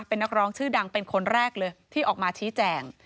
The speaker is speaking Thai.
เป็นนักร้องชื่อดังเป็นคนแรกเลยที่ออกมาชี้แจง